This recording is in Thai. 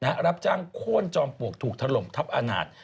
รับจ้างโค้นจอมปลวกถูกถล่มทับอาณาจ